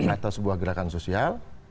atau sebuah gerakan sosial